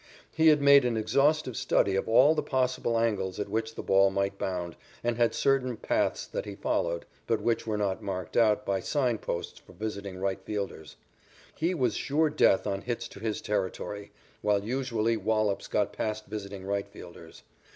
He had made an exhaustive study of all the possible angles at which the ball might bound and had certain paths that he followed, but which were not marked out by sign posts for visiting right fielders. He was sure death on hits to his territory, while usually wallops got past visiting right fielders.